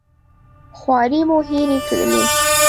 خوارۍ مو هېرې کړلې.